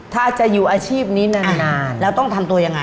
ถ้าจะอยู่อาชีพนี้นานแล้วต้องทำตัวยังไง